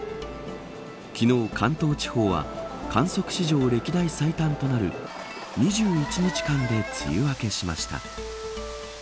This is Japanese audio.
昨日、関東地方は観測史上歴代最短となる２１日間で梅雨明けしました。